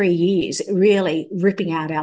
untuk membuang uang uang kita